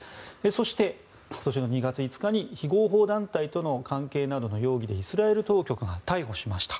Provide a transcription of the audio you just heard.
そして２月５日に非合法団体との関係などの容疑でイスラエル当局が逮捕しました。